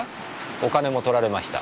お金も盗られました。